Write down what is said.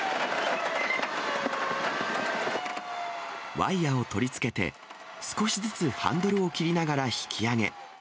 ワイヤを取り付けて、少しずつハンドルを切りながら引き上げ。